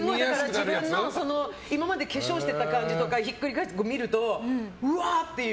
自分の今まで化粧してた感じとかひっくり返して見るとうわって言う。